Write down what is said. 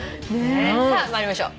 さあ参りましょう。